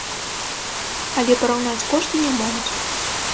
Але параўнаць кошты не могуць.